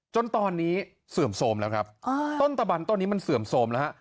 จนตอนนี้เสื่อมโทรมแล้วครับต้นตะบันต้นนี้มันเสื่อมโทรมแล้วฮะ